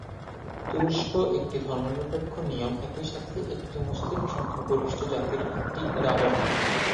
তুরস্ক একটি ধর্মনিরপেক্ষ নিয়ম একইসাথে একটি মুসলিম সংখ্যাগরিষ্ঠ জাতির একটি উদাহরণ।